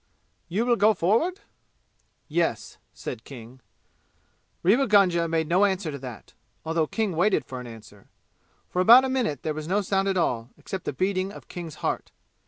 "You will go forward?" "Yes," said King. Rewa Gunga made no answer to that, although King waited for an answer. For about a minute there was no sound at all, except the beating of King's heart.